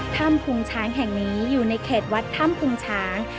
พุงช้างแห่งนี้อยู่ในเขตวัดถ้ำพุงช้าง